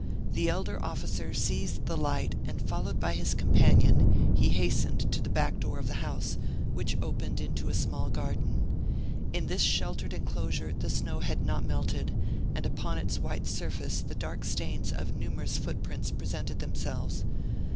The elder officer seized the light, and followed by his companion, he hastened to the back door of the house, which opened into a small garden. In this sheltered enclosure the snow had not melted, and upon its white surface the dark stains of numerous footprints presented themselves.